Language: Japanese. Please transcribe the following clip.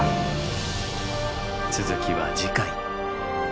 続きは次回。